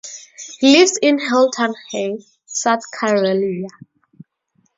He lives in Hilton Head, South Carolina.